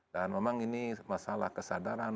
dan memang ini masalah kesadaran